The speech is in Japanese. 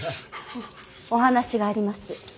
お話があります。